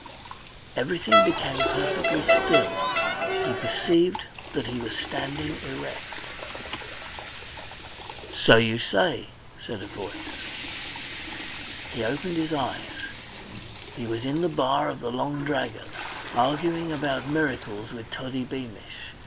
Everything became perfectly still. He perceived that he was standing erect. "So you say," said a voice. He opened his eyes. He was in the bar of the Long Dragon, arguing about miracles with Toddy Beamish.